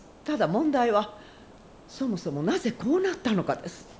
ただ問題はそもそもなぜこうなったのかです